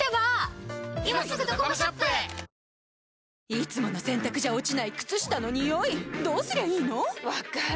いつもの洗たくじゃ落ちない靴下のニオイどうすりゃいいの⁉分かる。